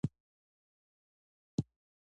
آیا دا سوداګري ډیره ګټوره نه ده؟